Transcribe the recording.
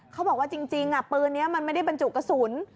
เขาบอกว่าจริงปืนนี้มันไม่ได้บรรจุกระสุน